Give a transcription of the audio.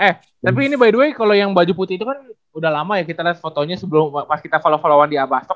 eh tapi ini btw kalo yang baju putih itu kan udah lama ya kita liat fotonya sebelum pas kita follow followan di abastok